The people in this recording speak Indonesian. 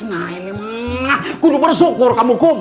nah kudu bersyukur kamu kum